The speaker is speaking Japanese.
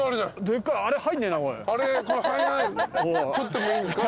採ってもいいんですか？